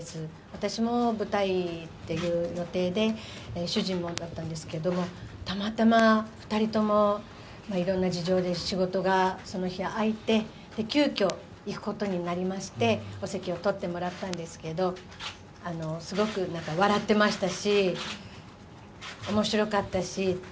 私も舞台っていう予定で、主人もだったんですけども、たまたま２人ともいろんな事情で仕事がその日空いて、急きょ、行くことになりまして、お席を取ったもらったんですけど、すごくなんか笑ってましたし、おもしろかったしって。